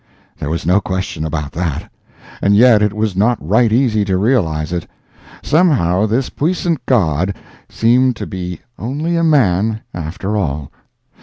There was no question about that, and yet it was not right easy to realize it. Somehow this puissant god seemed to be only a man, after all.